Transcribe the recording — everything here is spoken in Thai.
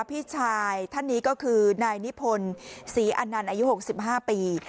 พี่ชายท่านนี้ก็คือนายนิพนธ์ศรีอนันต์อายุ๖๕ปี